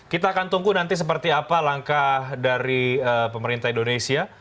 kita akan tunggu nanti seperti apa langkah dari pemerintah indonesia